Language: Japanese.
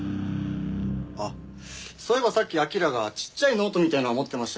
あっそういえばさっき彬がちっちゃいノートみたいなの持ってましたけど。